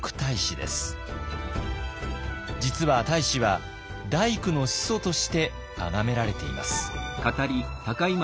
実は太子は大工の始祖としてあがめられています。